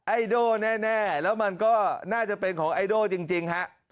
ไอโด่แน่แล้วมันก็น่าจะเป็นของไอโด่จริงฮะ